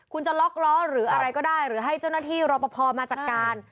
คุณจะล็อกล้อหรืออะไรก็ได้หรือให้เจ้าหน้าที่รอปภมาจัดการ